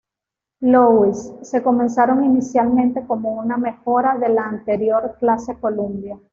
Louis, se comenzaron inicialmente como una mejora de la anterior clase Columbia.